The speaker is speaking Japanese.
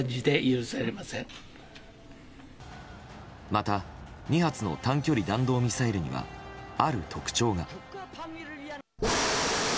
また２発の短距離弾道ミサイルにはある特徴が。